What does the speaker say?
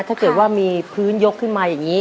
ถ้าเกิดว่ามีพื้นยกขึ้นมาอย่างนี้